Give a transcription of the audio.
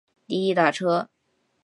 滴滴打车